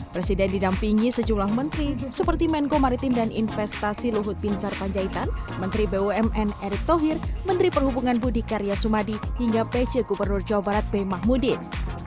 presiden didampingi sejumlah menteri seperti menko maritim dan investasi luhut binsar panjaitan menteri bumn erick thohir menteri perhubungan budi karya sumadi hingga pc gubernur jawa barat b mahmudin